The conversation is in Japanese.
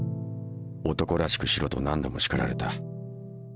男らしくしろと何度も叱られた。